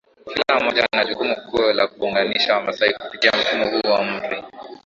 kila moja ana jukumu kuu la kuunganisha wamasai kupitia mfumo huu wa umri